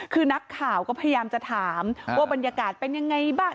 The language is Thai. คือนักข่าวก็พยายามจะถามว่าบรรยากาศเป็นยังไงบ้าง